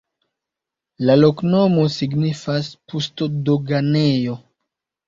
La loknomo signifas: pusto-doganejo.